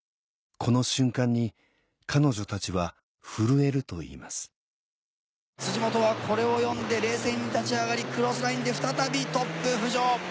この瞬間に彼女たちは震えるといいます本はこれを読んで冷静に立ち上がりクロスラインで再びトップ浮上。